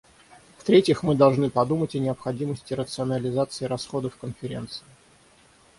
В-третьих, мы должны подумать о необходимости рационализации расходов Конференции.